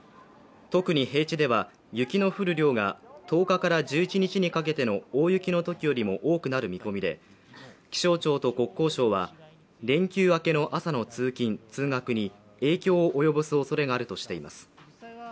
特に平地では、雪の降る量が１０日から１１日のときよりも多くなる見込みで気象庁と国交省は連休明けの朝の通勤・通学に影響を及ぼすおそれがあるとしています。